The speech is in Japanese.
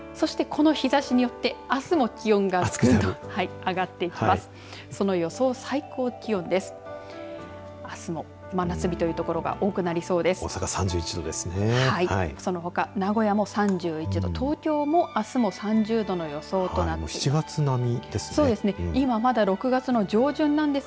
そして、この日ざしによってあすも気温が上がってきます。